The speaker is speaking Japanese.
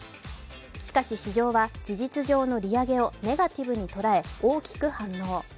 しかし、市場は事実上の利上げをネガティブに捉え、大きく反応。